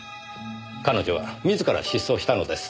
彼女は自ら失踪したのです。